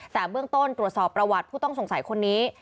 แต่เบื้องต้นตรวจสอบประวัติผู้ต้องสงสัยคนนี้